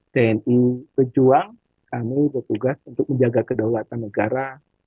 tni pejuang kami bertugas untuk menjaga kedaulatan negara